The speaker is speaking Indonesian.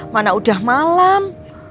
mana udah malam